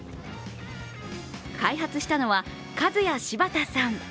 開発したのは、カズヤシバタさん。